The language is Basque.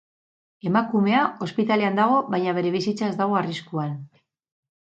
Emakumea ospitalean dago baina bere bizitza ez dago arriskuan.